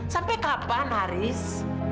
sampai kapan haris